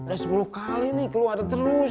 ada sepuluh kali nih keluar terus